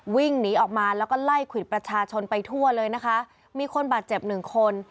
วิ่งหนีออกมาแล้วก็ไล่ควิดประชาชนไปทั่วเลยนะคะมีคนบาดเจ็บหนึ่งคน